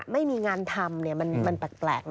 ไม่มีงานทำมันแปลกนะ